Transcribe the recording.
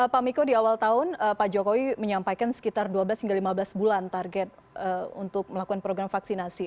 pak miko di awal tahun pak jokowi menyampaikan sekitar dua belas hingga lima belas bulan target untuk melakukan program vaksinasi